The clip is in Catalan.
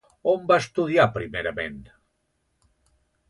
On va estudiar primerament?